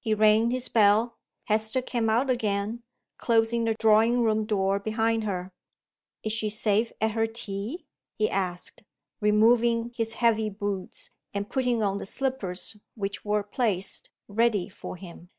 He rang his bell. Hester came out again, closing the drawing room door behind her. "Is she safe at her tea?" he asked, removing his heavy boots, and putting on the slippers which were placed ready for him.